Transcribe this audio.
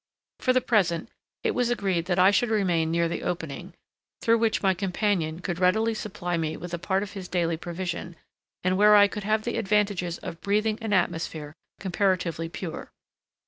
For the present, it was agreed that I should remain near the opening, through which my companion could readily supply me with a part of his daily provision, and where I could have the advantages of breathing an atmosphere comparatively pure.